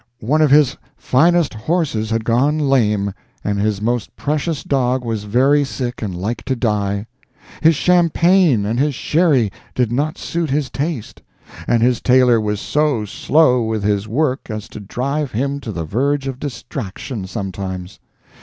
One of his finest horses had gone lame, and his most precious dog was very sick and like to die. His champagne and his sherry did not suit his taste, and his tailor was so slow with his work as to drive him to the verge of distraction sometimes.